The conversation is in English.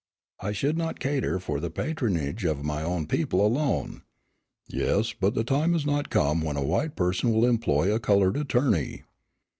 "I should not cater for the patronage of my own people alone." "Yes, but the time has not come when a white person will employ a colored attorney."